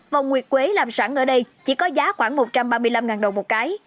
vòng nguyệt quế làm sẵn ở đây chỉ có giá khoảng một trăm ba mươi năm đồng một cái